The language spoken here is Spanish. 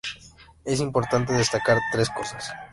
Es importante destacar tres cosas.